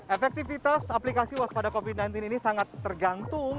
efektivitas aplikasi waspada covid sembilan belas ini sangat tergantung